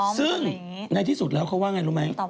ซึ่งในที่สุดแล้วเขาว่าไงรู้ไหม